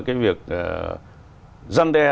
cái việc mà quy định pháp luật